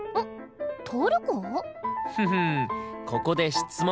ふふここで質問。